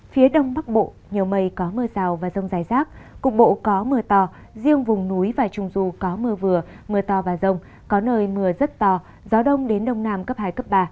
phía đông bắc bộ nhiều mây có mưa rào và rông dài rác cục bộ có mưa to riêng vùng núi và trung du có mưa vừa mưa to và rông có nơi mưa rất to gió đông đến đông nam cấp hai cấp ba